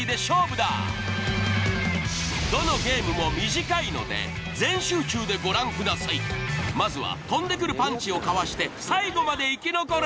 どのゲームも短いのでまずは飛んでくるパンチをかわして最後まで生き残れ！